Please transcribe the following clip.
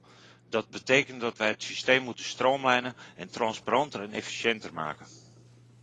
Dat betekent dat wij het systeem moeten stroomlijnen en transparanter en efficiënter maken.